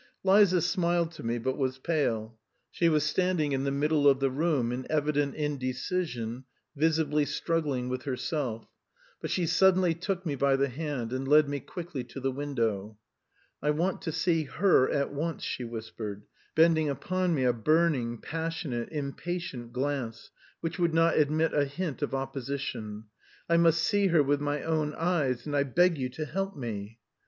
Liza smiled to me but was pale. She was standing in the middle of the room in evident indecision, visibly struggling with herself; but she suddenly took me by the hand, and led me quickly to the window. "I want to see her at once," she whispered, bending upon me a burning, passionate, impatient glance, which would not admit a hint of opposition. "I must see her with my own eyes, and I beg you to help me."